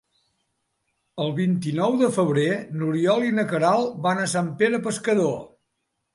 El vint-i-nou de febrer n'Oriol i na Queralt van a Sant Pere Pescador.